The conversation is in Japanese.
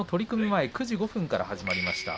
前９時５分から始まりました。